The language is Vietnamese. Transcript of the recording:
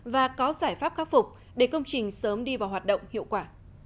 và có giải pháp khắc phục để công trình sớm đi vào hoạt động hiệu quả